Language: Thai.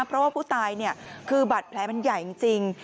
เพราะว่าผู้ตายคือบาดแผลมันใหญ่จริง